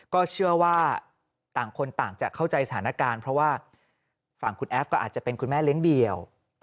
ก็เชื่อว่าต่างคนต่างจะเข้าใจสถานการณ์เพราะว่าฝั่งคุณแอฟก็อาจจะเป็นคุณแม่เลี้ยงเดี่ยว